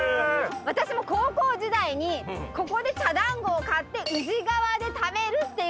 私も高校時代にここで茶だんごを買って宇治川で食べるっていうのがね。